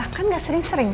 kan gak sering sering